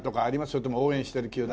それとも応援してる球団。